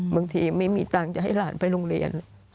บางทีไม่มีตังค์จะให้หลานไปโรงเรียน